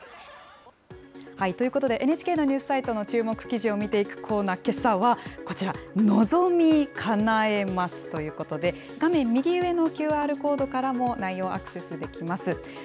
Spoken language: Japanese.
ということで、ＮＨＫのニュースサイトの注目記事を見ていくコーナー、けさはこちら、のぞみかなえますということで、画面右上のＱＲコードからも内容、アクセスできます。